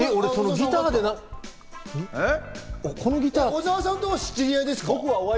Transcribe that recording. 小澤さんとは知り合いですか？